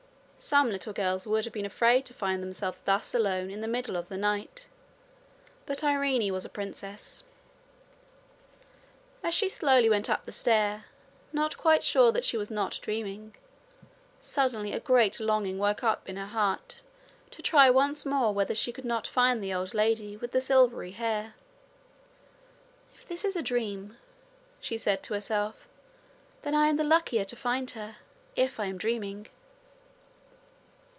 Some little girls would have been afraid to find themselves thus alone in the middle of the night, but Irene was a princess. As she went slowly up the stair, not quite sure that she was not dreaming, suddenly a great longing woke up in her heart to try once more whether she could not find the old lady with the silvery hair. 'If she is a dream,' she said to herself, 'then I am the likelier to find her, if I am dreaming.'